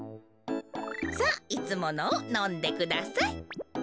さあいつものをのんでください。